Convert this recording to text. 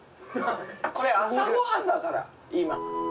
これ朝ごはんだから今。